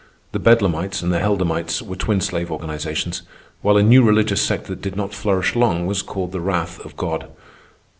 The Bedlamites and the Helldamites were twin slave organizations, while a new religious sect that did not flourish long was called The Wrath of God.